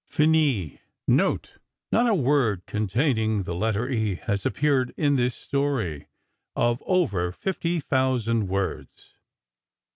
FINIS Note: Not a word containing the letter "E" has appeared in this story of over 50,000 words.